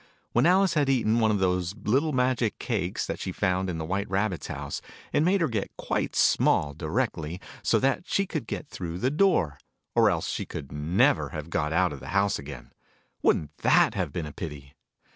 When Alice had eaten one of those little magic cakes, that she found in the White Rabbit's house, it made her get quite small, directly, so that she could get through the door : or else she could never have got out of the house again. Wouldn't that have been a pity